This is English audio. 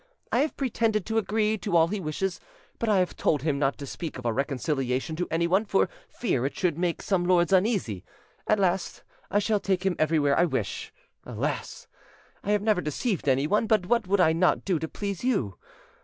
I have pretended to agree to all he wishes; but I have told him not to speak of our reconciliation to anyone, for fear it should make some lords uneasy. At last I shall take him everywhere I wish.... Alas! I have never deceived anyone; but what would I not do to please you?